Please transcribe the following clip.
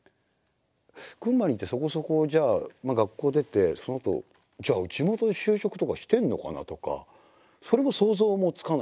群馬にいてそこそこじゃあ学校出てそのあとじゃあ地元で就職とかしてんのかなとかそれも想像もつかないんですよ。